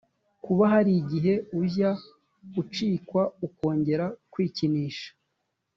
kuba hari igihe ujya ucikwa ukongera kwikinisha